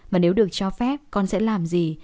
mà nếu được cho phép con sẽ làm gì